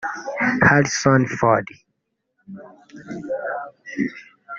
Harrison Ford